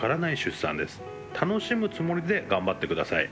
楽しむつもりで頑張ってください。